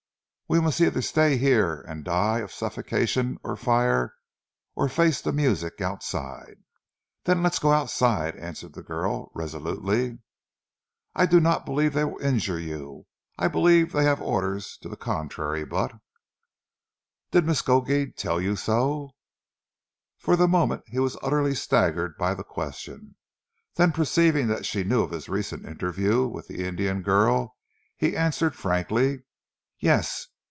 We must either stay here, and die of suffocation or fire, or face the music outside." "Then let us go outside," answered the girl resolutely. "I do not believe they will injure you. I believe that they have orders to the contrary, but " "Did Miskodeed tell you so?" For the moment he was utterly staggered by the question, then perceiving that she knew of his recent interview with the Indian girl, he answered frankly: "Yes!